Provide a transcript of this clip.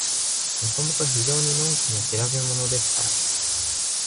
もともと非常にのんきな調べものですから、